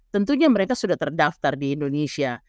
tentunya mereka sudah terdaftar di indonesia